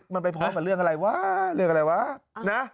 มันไปพร้อมกับเรื่องอะไรวะเรื่องอะไรวะนะ